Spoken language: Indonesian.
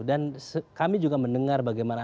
dan kami juga mendengar bagaimana